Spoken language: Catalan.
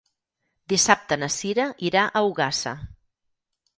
Dissabte na Cira irà a Ogassa.